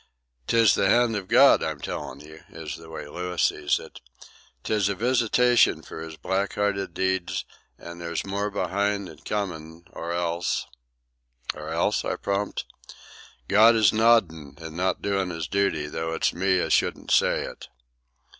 "'Tis the hand of God, I'm tellin' you," is the way Louis sees it. "'Tis a visitation for his black hearted deeds, and there's more behind and comin', or else—" "Or else," I prompted. "God is noddin' and not doin' his duty, though it's me as shouldn't say it."